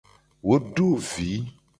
Wo do vi.